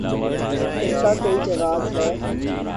اس کا کوئی جواز ہے؟